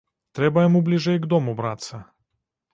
Трэба яму бліжэй к дому брацца.